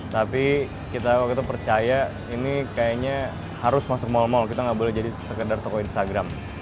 tapi kita waktu itu percaya ini kayaknya harus masuk mal mal kita nggak boleh jadi sekedar toko instagram